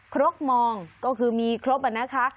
ครกมองก็คือมีครบอะนะคะ